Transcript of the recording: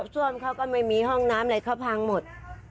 ซ่วมเขาก็ไม่มีห้องน้ำอะไรเขาพังหมด